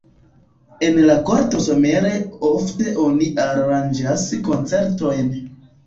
En la korto somere ofte oni aranĝas koncertojn.